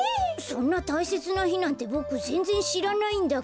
そんなたいせつなひなんてボクぜんぜんしらないんだけど。